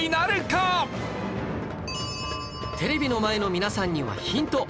テレビの前の皆さんにはヒント